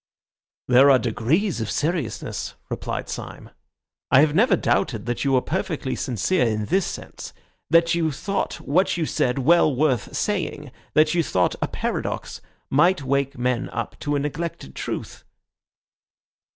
"There are degrees of seriousness," replied Syme. "I have never doubted that you were perfectly sincere in this sense, that you thought what you said well worth saying, that you thought a paradox might wake men up to a neglected truth."